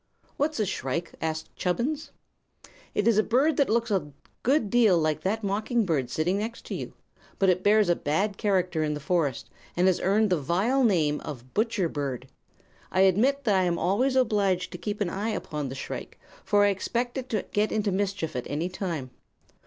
"What's a shrike?" asked Chubbins. "It is a bird that looks a good deal like that mocking bird sitting next you; but it bears a bad character in the forest and has earned the vile name of 'butcher bird.' I admit that I am always obliged to keep an eye upon the shrike, for I expect it to get into mischief at any time.